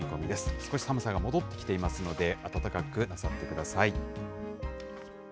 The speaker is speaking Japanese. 少し寒さが戻ってきていますので、暖かくなさってください。